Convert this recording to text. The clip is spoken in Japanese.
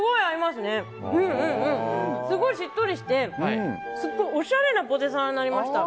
すごいしっとりしておしゃれなポテサラになりました。